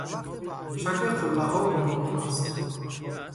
Шакли қуллаҳо гуногун аст.